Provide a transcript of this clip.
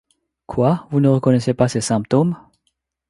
Quoi ! vous ne reconnaissez pas ces symptômes ?…